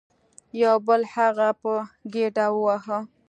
یو بل هغه په ګیډه وواهه.